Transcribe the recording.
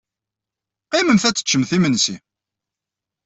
Qqimemt ad teččemt imensi.